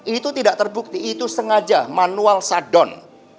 itu tidak terbukti itu sengaja manual shuddon